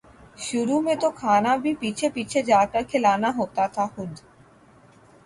شروع میں تو کھانا بھی پیچھے پیچھے جا کر کھلانا ہوتا تھا خود